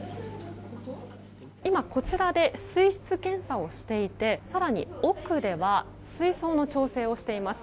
今、こちらで水質検査をしていて更に、奥では水槽の調整をしています。